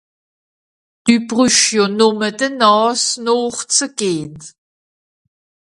Dü brüsch jo nùmme de Nààs nooch ze gehn.